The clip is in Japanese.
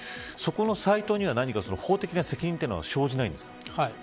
そこのサイトには法的な責任は生じないんですか。